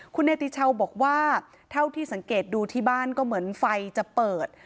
คุณเนติชาวบอกว่าเท่าที่สังเกตดูที่บ้านก็เหมือนไฟจะเปิด